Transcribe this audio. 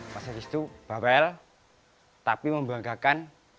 pasal itu bahwel tapi membanggakan